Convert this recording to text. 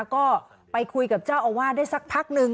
ก็ไปคุยกับเจ้าอาวาสได้สักพักนึง